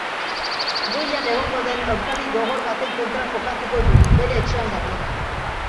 Goian egongo den aurkari gogor baten kontra jokatuko dugu, bere etxean gainera.